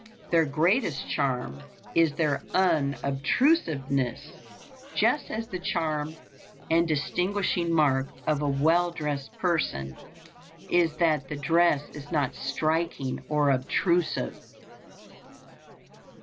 Their greatest charm is their unobtrusiveness, just as the charm and distinguishing mark of a well dressed person is that the dress is not striking or obtrusive.